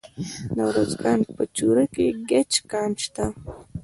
د ارزګان په چوره کې د ګچ کان شته.